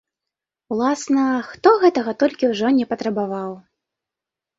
Уласна, хто гэтага толькі ўжо не патрабаваў.